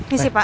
ini sih pak